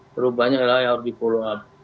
terlalu banyak lha yang harus di follow up